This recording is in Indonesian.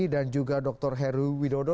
dan juga dr heru widodo